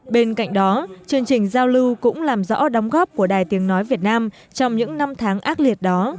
bên cạnh đó chương trình giao lưu cũng làm rõ đóng góp của đài tiếng nói việt nam trong những năm tháng ác liệt đó